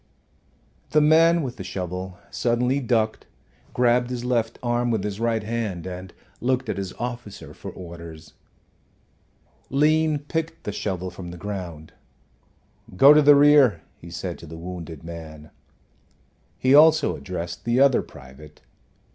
The man with the shovel suddenly ducked, grabbed his left arm with his right hand, and looked at his officer for orders. Lean picked the shovel from the ground. "Go to the rear," he said to the wounded man. He also addressed the other private.